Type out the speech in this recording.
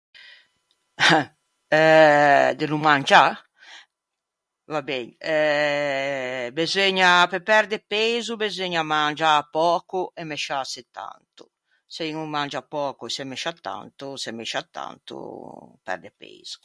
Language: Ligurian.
Eh! Euh... de no mangiâ? Va ben... eh... beseugna, pe perde peiso beseugna mangiâ pöco e mesciâse tanto. Se un o mangia pöco e o se mescia tanto, se mescia tanto, perde peiso.